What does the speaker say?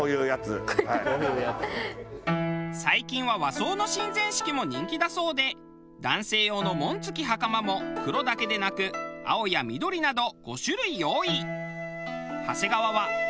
最近は和装の神前式も人気だそうで男性用の紋付袴も黒だけでなく青や緑など５種類用意。